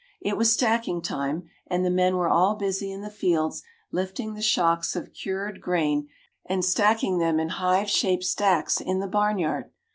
It was stacking time and the men were all busy in the fields lifting the shocks of cured grain and stacking them in hive shaped stacks in the barnyard.